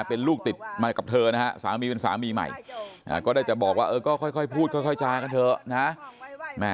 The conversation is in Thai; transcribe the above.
เป็นลูกติดมากับเธอนะฮะสามีเป็นสามีใหม่ก็ได้แต่บอกว่าเออก็ค่อยพูดค่อยจากันเถอะนะ